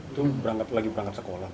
itu lagi berangkat sekolah